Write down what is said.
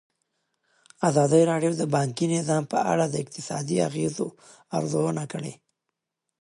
ازادي راډیو د بانکي نظام په اړه د اقتصادي اغېزو ارزونه کړې.